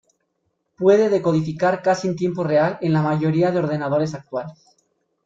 Puede decodificar casi en tiempo real en la mayoría de ordenadores actuales.